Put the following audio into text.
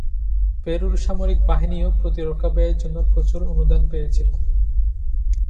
পেরুর সামরিক বাহিনীও প্রতিরক্ষা ব্যয়ের জন্য প্রচুর অনুদান পেয়েছিল।